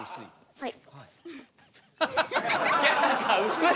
はい。